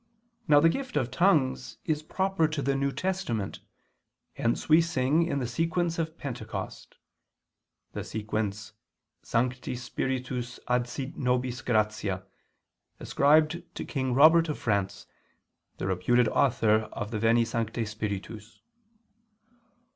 Now the gift of tongues is proper to the New Testament, hence we sing in the sequence of Pentecost [*The sequence: Sancti Spiritus adsit nobis gratia ascribed to King Robert of France, the reputed author of the _Veni Sancte Spiritus.